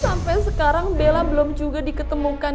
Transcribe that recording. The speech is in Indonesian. sampai sekarang bella belum cuga ngetiknya sama dia ma